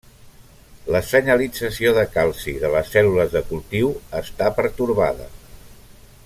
La senyalització de calci de les cèl·lules de cultiu està pertorbada.